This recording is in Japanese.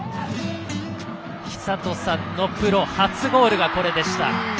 寿人さんのプロ初ゴールがこれでした。